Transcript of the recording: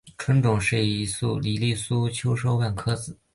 春种一粒粟，秋收万颗子。